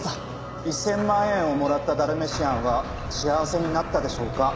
１０００万円をもらったダルメシアンは幸せになったでしょうか？